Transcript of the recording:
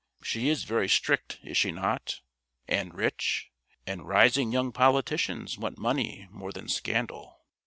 She is very strict, is she not? And rich? And rising young politicians want money more than scandal."